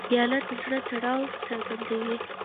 پیاله د زړه تړاو څرګندوي.